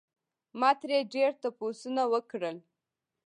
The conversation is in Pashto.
ما ترې ډېر تپوسونه وکړل